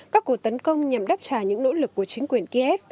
các cuộc tấn công nhằm đáp trả những nỗ lực của chính quyền kiev